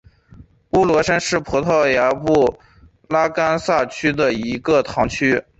乌罗什是葡萄牙布拉干萨区的一个堂区。